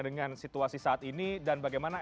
dengan situasi saat ini dan bagaimana